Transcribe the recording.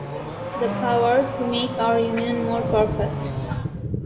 The power to make our union more perfect.